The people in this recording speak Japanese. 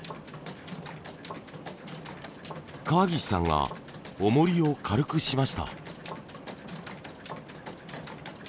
川岸さんがおもりを軽くしました。